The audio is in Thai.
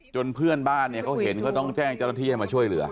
เพื่อนบ้านเนี่ยเขาเห็นเขาต้องแจ้งเจ้าหน้าที่ให้มาช่วยเหลือ